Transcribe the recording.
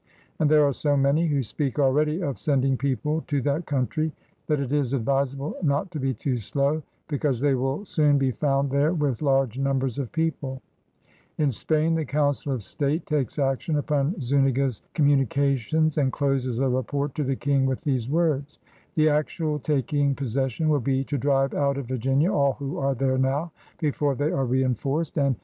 ... And there are so many ... who speak already of sending people to that country, that it is advisable not to be too slow; because they will soon be JAMESTOWN 35 found there with large numbers of people/'' In Spain the Council of State takes action upon Zufiiga's communications and closes a report to the Eang with these words: "The actual taking possession will be to drive out of Virginia all who are there now, before they are reSnforced, and